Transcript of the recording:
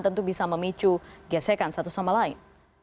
tentu bisa memicu gesekan satu sama lain